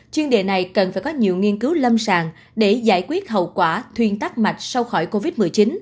chuyên đề này cần phải có nhiều nghiên cứu lâm sàng để giải quyết hậu quả thuyên tắc mạch sau khỏi covid một mươi chín